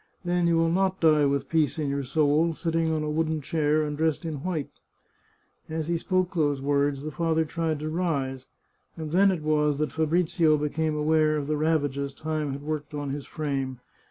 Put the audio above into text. Then you will not die with peace in your soul, sitting on a wooden chair and dressed in white !" As he spoke these words the father tried to rise, and then it was that Fabrizio became aware of the ravages time had worked on his frame.